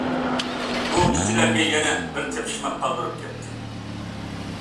بۇ كىشىلەرگە يەنە بىر تېپىشماق قالدۇرۇپ كەتتى.